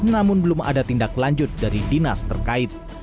namun belum ada tindak lanjut dari dinas terkait